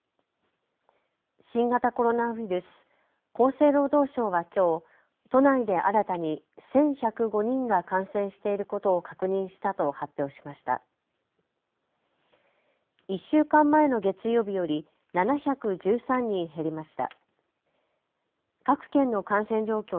新型コロナウイルス、厚生労働省はきょう都内で新たに１１０５人が感染していることを確認したと発表しました。